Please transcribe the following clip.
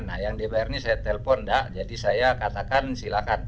nah yang dpr ini saya telpon tidak jadi saya katakan silakan